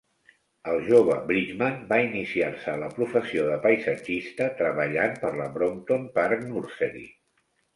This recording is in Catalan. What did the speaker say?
El jove Bridgeman va iniciar-se a la professió de paisatgista treballant per la Brompton Park Nursery.